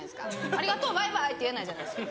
「ありがとうバイバイ」って言えないじゃないですか。